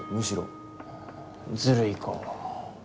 ずるいか。